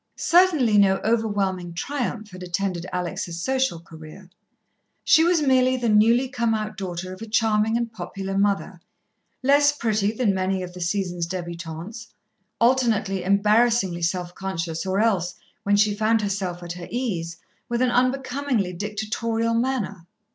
Certainly no overwhelming triumph had attended Alex' social career. She was merely the newly come out daughter of a charming and popular mother, less pretty than many of the season's débutantes, alternately embarrassingly self conscious, or else, when she found herself at her ease, with an unbecomingly dictatorial manner.